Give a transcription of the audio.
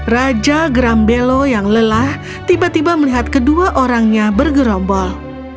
raja grambelo yang lelah tiba tiba melihat kedua orangnya bergerombol